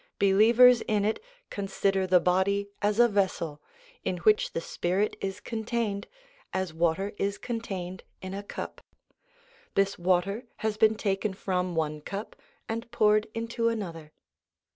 Believers in it consider the body as a vessel, in which the spirit is contained, as water is contained in a cup; this water has been taken from one cup and poured into another.